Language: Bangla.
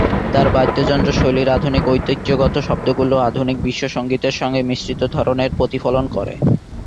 তার বাদ্যযন্ত্র শৈলীর আধুনিক ঐতিহ্যগত শব্দগুলো আধুনিক বিশ্ব সঙ্গীতের সঙ্গে মিশ্রিত ধরনের প্রতিফলন করে।